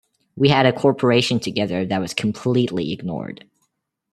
We had a corporation together that was completely ignored.